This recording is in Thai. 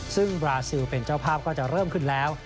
ซึ่งบราซิลเป็นเจ้าภาพก็จะเริ่มขึ้นแล้ว